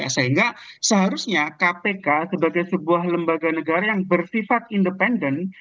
sehingga seharusnya kpk sebagai sebuah lembaga negara yang bersifat independen